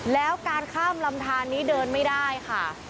แล้วการข้ามลำทานนี้เดินไม่ได้ค่ะ